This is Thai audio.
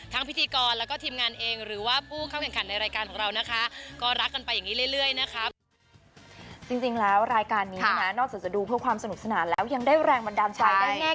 ทั้งพิธีกรและก็ทีมงานเองหรือว่าผู้เข้าเก่งขันในรายการของเรานะคะ